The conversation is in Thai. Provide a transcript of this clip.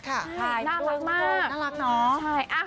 น่ารักมาก